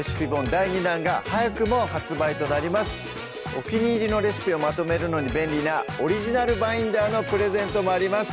お気に入りのレシピをまとめるのに便利なオリジナルバインダーのプレゼントもあります